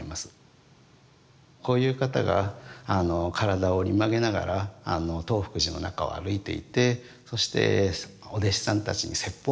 こういう方が体を折り曲げながら東福寺の中を歩いていてそしてお弟子さんたちに説法をするというのはですね